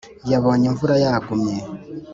yabonye imvura yagumye,